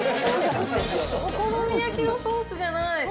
お好み焼きのソースじゃない。